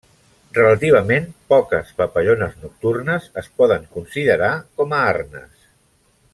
Relativament poques papallones nocturnes es poden considerar com a arnes.